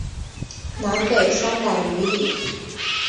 南北三百余里。